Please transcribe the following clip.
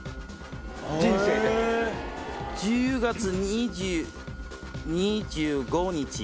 １０月２５日？